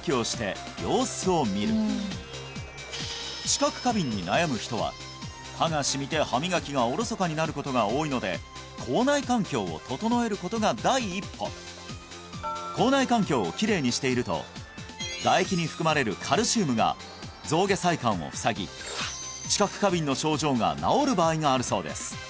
知覚過敏に悩む人は歯がしみて歯磨きがおろそかになることが多いので口内環境を整えることが第一歩口内環境をきれいにしていると唾液に含まれるカルシウムが象牙細管を塞ぎ知覚過敏の症状が治る場合があるそうです